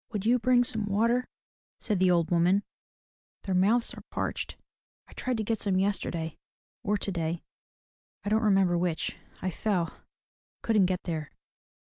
*' Would you bring some water?'* said the old woman, "their mouths are parched. I tried to get some, yesterday or today, — I don't remember which — I fell, couldn't get there.